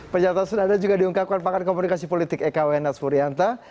pernyataan senada juga diungkapkan pangkat komunikasi politik ekwn nasporianta